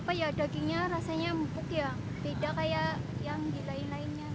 apa ya dagingnya rasanya empuk ya beda kayak yang di lain lainnya